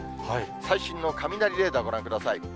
最新の雷レーダー、ご覧ください。